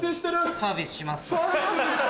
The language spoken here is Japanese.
サービスしますから。